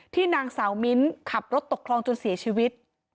นางสาวมิ้นขับรถตกคลองจนเสียชีวิต